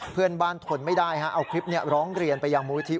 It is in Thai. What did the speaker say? เพื่อนบ้านทนไม่ได้ฮะเอาคลิปนี้ร้องเรียนไปยังมุมวิธี